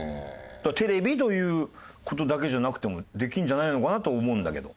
だからテレビという事だけじゃなくてもできるんじゃないのかな？と思うんだけど。